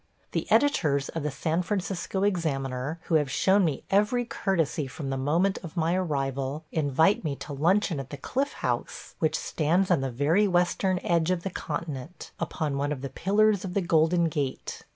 The editors of the San Francisco "Examiner," who have shown me every courtesy from the moment of my arrival, invite me to luncheon at the Cliff House, which stands on the very western edge of the continent, upon one of the pillars of the Golden Gate.